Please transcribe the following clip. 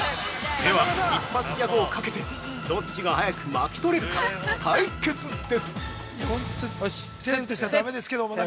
では、一発ギャグをかけてどっちが早く巻き取れるか対決です！